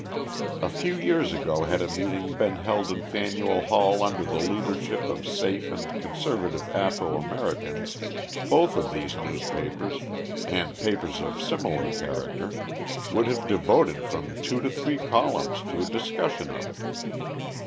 A few years ago had a meeting been held in Faneuil Hall under the leadership of safe and conservative Afro Americans, both of these newspapers and papers of similar character would have devoted from two to three columns to a discussion of it.